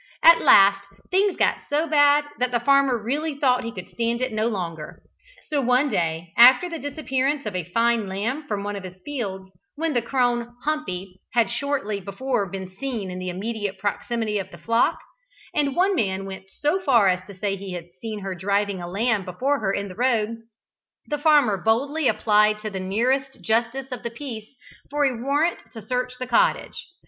At last things got so bad that the farmer really thought he could stand it no longer. So one day, after the disappearance of a fine lamb from one of his fields, when the crone Humpy had shortly before been seen in the immediate proximity of the flock, and one man went so far as to say he had seen her driving a lamb before her in the road, the farmer boldly applied to the nearest justice of the peace for a warrant to search the cottage.